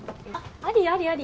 あありありあり。